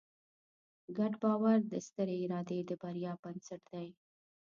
ګډ باور د سترې ادارې د بریا بنسټ دی.